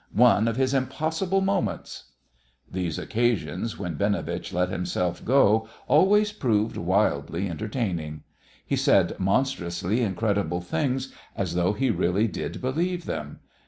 One of his impossible moments." These occasions when Binovitch let himself go always proved wildly entertaining. He said monstrously incredible things as though he really did believe them.